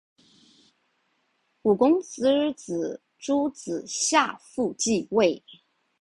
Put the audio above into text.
武公之子邾子夏父继位。